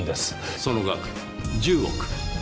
その額１０億。